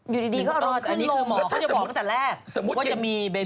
อยู่ดีก็อารมณ์ขึ้นลง